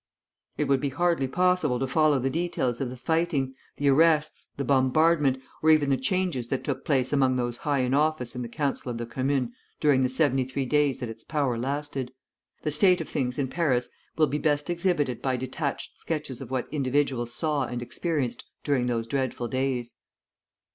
'" It would be hardly possible to follow the details of the fighting, the arrests, the bombardment, or even the changes that took place among those high in office in the Council of the Commune during the seventy three days that its power lasted; the state of things in Paris will be best exhibited by detached sketches of what individuals saw and experienced during those dreadful days.